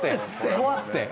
怖くて？